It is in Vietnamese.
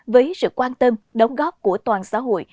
với sự quan tâm đóng góp của toàn xã hội